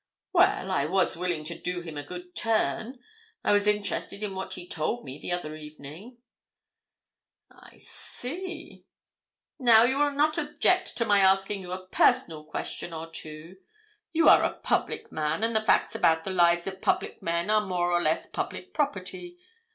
"Well, I was willing to do him a good turn, I was interested in what he told me the other evening." "I see. Now you will not object to my asking you a personal question or two. You are a public man, and the facts about the lives of public men are more or less public property.